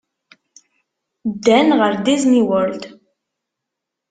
Ddan ɣer Disney World.